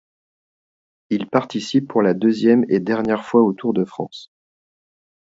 Il participe pour la deuxième et dernière fois au Tour de France.